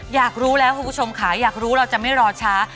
อยากรู้แล้วคุณผู้ชมค่ะอยากรู้เราจะไม่รอช้า